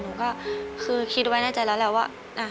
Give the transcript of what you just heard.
หนูก็คือคิดไว้ในใจแล้วแหละว่า